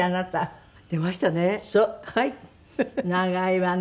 長いわね。